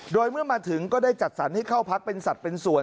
โดยเมื่อมาถึงก็ได้จัดสรรให้เข้าพักเป็นสัตว์เป็นส่วน